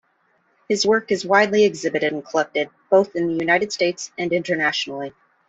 His work is widely exhibited and collected both in the United States and internationally.